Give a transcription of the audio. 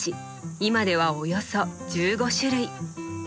今ではおよそ１５種類。